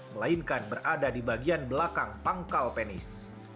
melainkan berada di bagian belakang pangkal penis